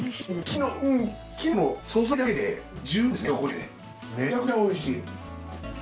めちゃくちゃおいしい。